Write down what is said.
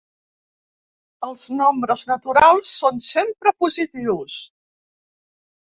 Els nombres naturals són sempre positius.